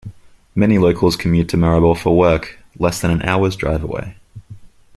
Many locals commute to Maribor for work, less than an hour's drive away.